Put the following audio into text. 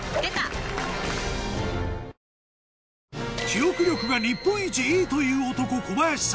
記憶力が日本一いいという男小林さん